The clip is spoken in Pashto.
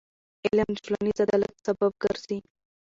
علم د ټولنیز عدالت سبب ګرځي.